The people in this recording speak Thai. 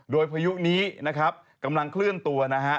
โดยพายุนี้นะครับกำลังเคลื่อนตัวนะฮะ